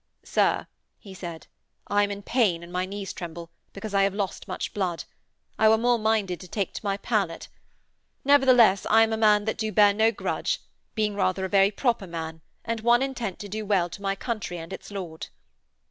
'Sir,' he said, 'I am in pain and my knees tremble, because I have lost much blood. I were more minded to take to my pallet. Nevertheless, I am a man that do bear no grudge, being rather a very proper man, and one intent to do well to my country and its Lord.'